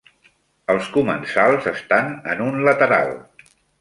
Els comensals estan en un lateral.